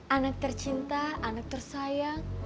anak tercinta anak tersayang